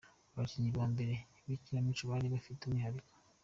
Abakinnyi ba mbere b’ikinamico bari bafite umwihariko.